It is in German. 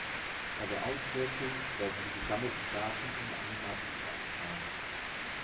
Bei der Auswertung werden die gesammelten Daten in eine Matrix eingetragen.